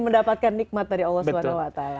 mendapatkan nikmat dari allah swt